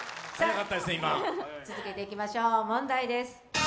続けていきましょう、問題です。